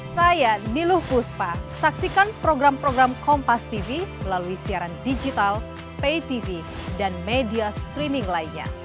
saya niluh kuspa saksikan program program kompastv melalui siaran digital paytv dan media streaming lainnya